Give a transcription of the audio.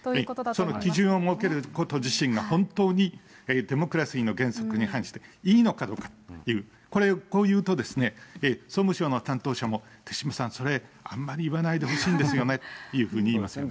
その基準を設けること自身が、本当にデモクラシーの原則に反していいのかどうかという、これ、こう言うと、総務省の担当者も、手嶋さん、それ、あんまり言わないでほしいんですよねって言いますよね。